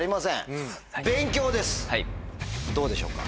どうでしょうか？